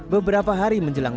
beberapa hari menjelang